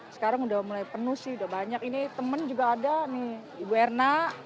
sekarang udah mulai penuh sih udah banyak ini teman juga ada nih ibu erna